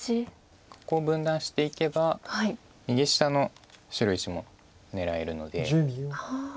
ここを分断していけば右下の白石も狙えるので。